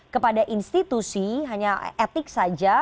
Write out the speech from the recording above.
kepada institusi hanya etik saja